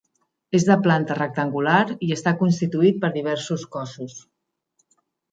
És de planta rectangular i està constituït per diversos cossos.